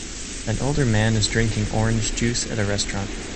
An older man is drinking orange juice at a restaurant